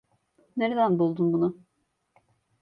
Nereden buldun bunu?